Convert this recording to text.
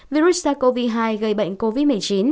virus sars cov hai gây bệnh covid một mươi chín